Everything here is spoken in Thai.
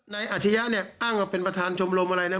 อาชญะเนี่ยอ้างว่าเป็นประธานชมรมอะไรนะ